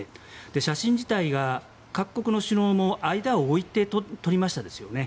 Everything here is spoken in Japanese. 写真自体が各国の首脳も間を置いて撮りましたよね。